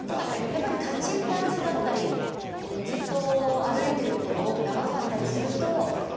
やっぱり立ちっぱなしだったりずっと歩いてることが長かったりするとむくんだりしますね。